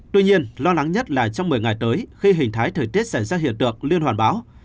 tuy nhiên lo lắng nhất là trong một mươi ngày tới khi hình thái thời tiết xảy ra hiện tượng liên hoàn báo